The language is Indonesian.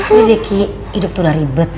iya deh kiki hidup tuh udah ribet